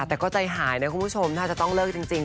แต่ก็ใจหายนะคุณผู้ชมถ้าจะต้องเลิกจริง